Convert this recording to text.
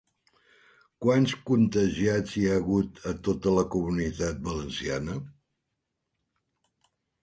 Quants contagiats hi ha hagut a tota la Comunitat Valenciana?